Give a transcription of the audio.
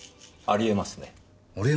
あり得ますか？